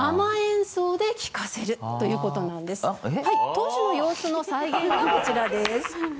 当時の様子の再現がこちらです。